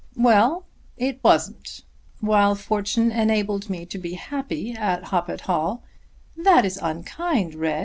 "Well; it wasn't. While fortune enabled me to be happy at Hoppet Hall " "That is unkind, Reg."